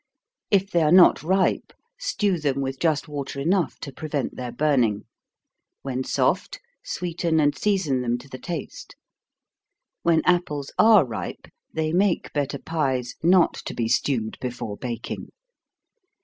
If they are not ripe, stew them with just water enough to prevent their burning. When soft, sweeten and season them to the taste. When apples are ripe, they make better pies not to be stewed before baking.